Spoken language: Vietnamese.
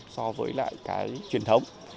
so với lại cái truyền thống